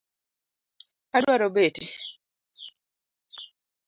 Adwaro beti